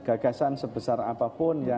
gagasan sebesar apapun